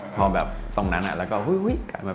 พอตรงนั้นแล้วก็อุ๊ยเป็นอันนี้วะ